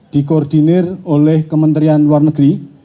dikoordinir oleh kementerian luar negeri